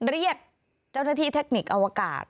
เรียกเจ้าหน้าที่เทคนิคอวกาศ